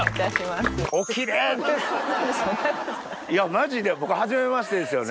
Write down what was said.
マジで僕はじめましてですよね？